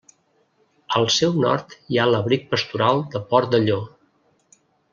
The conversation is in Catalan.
Al seu nord hi ha l'Abric Pastoral de Port de Llo.